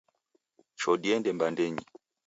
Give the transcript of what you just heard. Choo diende mbandenyi.